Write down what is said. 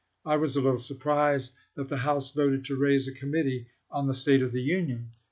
.. I was a little surprised that the House voted to raise a committee on the state of the Union. .